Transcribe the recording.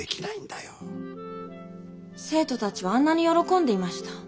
生徒たちはあんなに喜んでいました。